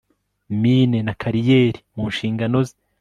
mine na kariyeri mu nshingano ze